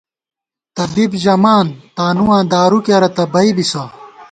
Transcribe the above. طبیب ژَمان تانُواں دارُو کېرہ تہ بئ بِسہ